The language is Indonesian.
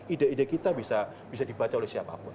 ide ide kita bisa dibaca oleh siapa pun